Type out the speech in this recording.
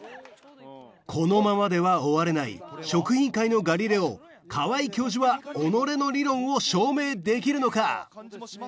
このままでは終われない食品界のガリレオ川井教授は己の理論を証明できるのか？